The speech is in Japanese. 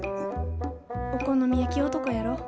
お好み焼き男やろ。